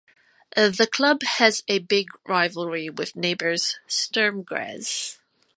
The club has a big rivalry with neighbours Sturm Graz.